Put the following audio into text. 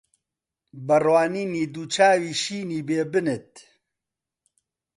بە ڕوانینی دوو چاوی شینی بێ بنت